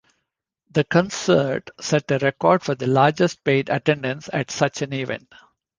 The concert set a record for the largest paid attendance at such an event.